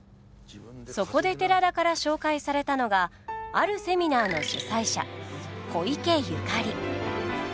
そこで寺田から紹介されたのがあるセミナーの主宰者小池ゆかり。